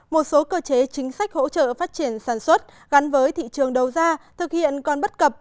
một số cơ chế chính sách hỗ trợ phát triển sản xuất gắn với thị trường đầu ra thực hiện còn bất cập